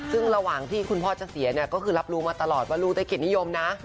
ซึ่งระหว่างที่คุณพ่อจะเสียเนี่ยก็คือรับรู้มาตลอดว่าลูกได้เกียรตินิยมนะ